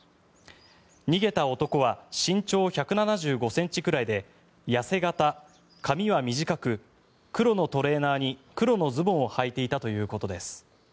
逃げた男は身長１７５ｃｍくらいで痩せ形髪は短く、黒のトレーナーに黒のズボンをはいていたということです。